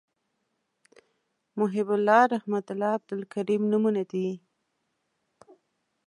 محیب الله رحمت الله عبدالکریم نومونه دي